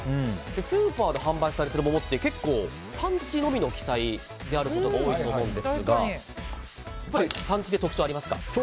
スーパーで販売されている桃って、結構産地のみの記載であることが多いと思うんですがやっぱり産地で特長ありますか？